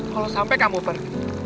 kalau sampai kamu pernah